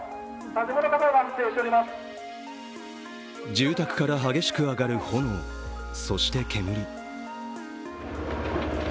住宅から激しく上がる炎、そして煙。